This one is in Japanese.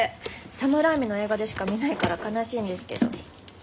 サム・ライミの映画でしか見ないから悲しいんですけど。